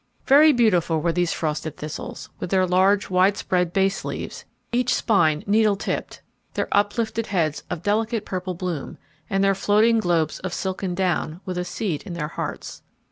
Very beautiful were these frosted thistles, with their large, widespreading base leaves, each spine needle tipped, their uplifted heads of delicate purple bloom, and their floating globes of silken down, with a seed in their hearts.